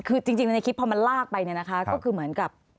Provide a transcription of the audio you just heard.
คือจริงในคลิปพอมันลากไปเนี่ยนะคะก็คือเหมือนกับ